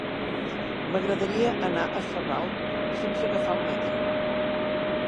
M'agradaria anar a Sarral sense agafar el metro.